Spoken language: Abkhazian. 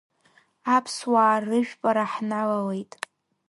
Аԥсуаа рыжәпара ҳналалеит.